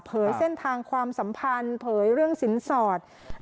เส้นทางความสัมพันธ์เผยเรื่องสินสอด